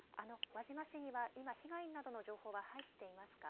輪島市には今、被害などの情報は入っていますか。